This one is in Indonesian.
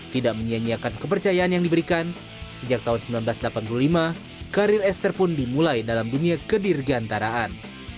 tidak menyanyiakan kepercayaan yang diberikan sejak tahun seribu sembilan ratus delapan puluh lima karir esther pun dimulai dalam dunia kedirgantaraan